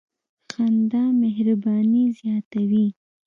• خندا مهرباني زیاتوي.